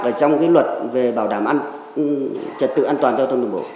ở trong cái luật về bảo đảm an trật tự an toàn giao thông đường bộ